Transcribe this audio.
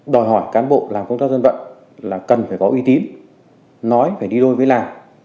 đòi hỏi cán bộ làm công tác dân vận là cần phải có uy tín nói phải đi đôi với làm